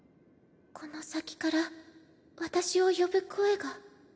この先から私を呼ぶ声が。